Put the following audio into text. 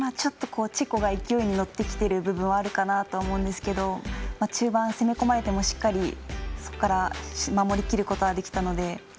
チェコが勢いに乗ってきている部分があるかなとは思うんですけど中盤、攻め込まれてもしっかりそこから守りきることはできたので。